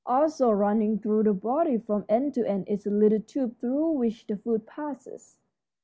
Also running through the body, from end to end, is a little tube through which the food passes.